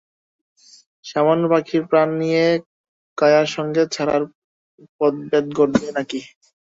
সামান্য পাখির প্রাণ নিয়ে কায়ার সঙ্গে ছায়ার পথভেদ ঘটবে না কি?